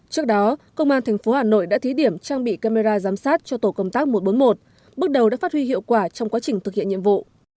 trước đó công an tp hà nội đã thí điểm trang bị camera giám sát cho tổ công tác một trăm bốn mươi một bước đầu đã phát huy hiệu quả trong quá trình thực hiện nhiệm vụ